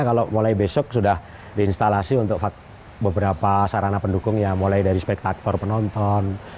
kalau mulai besok sudah diinstalasi untuk beberapa sarana pendukung ya mulai dari spektator penonton